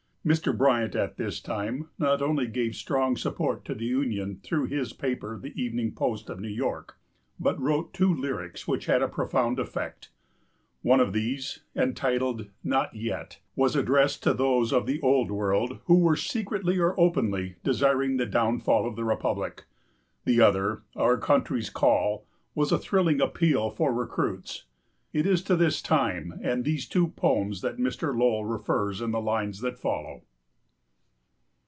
Mr. Bryant, at this time, not only gave strong support to the Union through his paper The Evening Post of New York, but wrote two lyrics which had a profound effect. One of these, entitled Not Yet, was addressed to those of the Old World who were secretly or openly desiring the downfall of the republic. The other, Our Country's Call, was a thrilling appeal for recruits. It is to this time and these two poems that Mr. Lowell refers in the lines that follow.